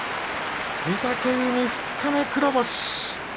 御嶽海、二日目に黒星。